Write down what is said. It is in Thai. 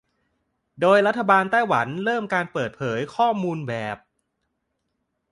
โดยรัฐบาลไต้หวันเริ่มการเปิดเผยข้อมูลแบบ